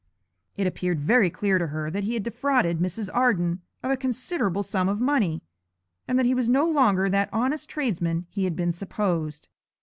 It appeared very clear to her that he had defrauded Mrs. Arden of a considerable sum of money, and that he was no longer that honest tradesman he had been supposed.